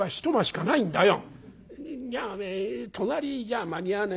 「じゃおめえ隣じゃ間に合わねえし。